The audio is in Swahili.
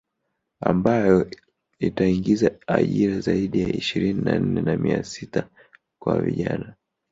Ambayo itaingiza ajira zaidi ya ishirini na nne na mia sita kwa vijana